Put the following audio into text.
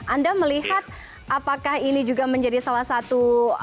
anda melihat apakah ini juga menjadi salah satu